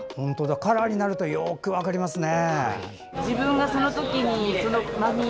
カラーになるとよく分かりますね。